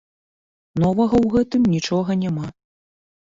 Новага ў гэтым нічога няма.